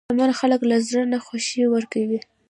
شتمن خلک له زړه نه خوښي ورکوي.